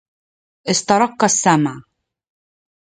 استرق السمع